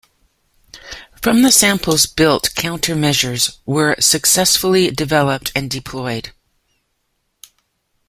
From the samples built, countermeasures were successfully developed and deployed.